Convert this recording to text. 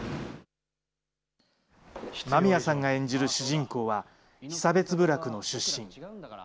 間宮さんが演じる主人公は、被差別部落の出身。